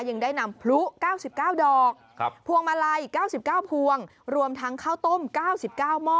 ยังได้นำพลุ๙๙ดอกพวงมาลัย๙๙พวงรวมทั้งข้าวต้ม๙๙หม้อ